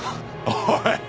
おい！